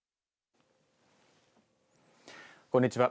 こんにちは。